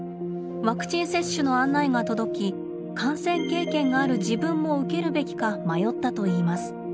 ワクチン接種の案内が届き感染経験がある自分も受けるべきか迷ったといいます。